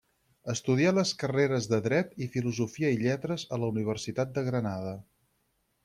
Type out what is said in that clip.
Estudià les carreres de Dret i Filosofia i Lletres a la Universitat de Granada.